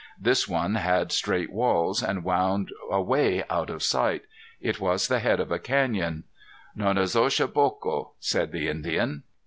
This one had straight walls and wound away out of sight. It was the head of a canyon. "Nonnezoshe Boco," said the Indian.